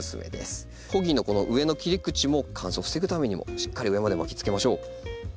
穂木のこの上の切り口も乾燥を防ぐためにもしっかり上まで巻きつけましょう。